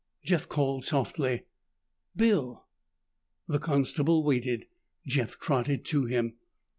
Jeff called softly, "Bill." The constable waited. Jeff trotted to him.